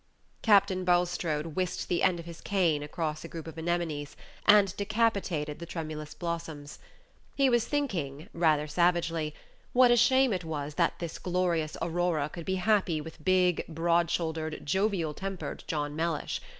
Captain Bulstrode whisked the end of his cane across a group of anemones, and decapitated the tremulous blossoms. He was thinking, rather savagely, what a shame it was that this glorious Aurora could be happy with big, broad shouldered, jovial tempered John Mellish.